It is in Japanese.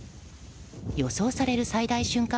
予想される最大瞬間